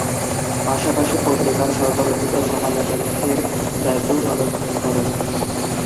পাশাপাশি পত্রিকার চলচ্চিত্র সমালোচকের দায়িত্বও পালন করেন।